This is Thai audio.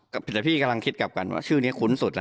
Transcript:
กพิตรพี่กำลังคิดกับกันว่าชื่อเนี้ย